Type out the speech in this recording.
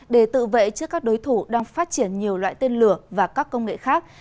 để tự vệ trước các đối thủ đang phát triển nhiều loại tên lửa và các công nghệ khác